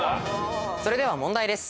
それでは問題です。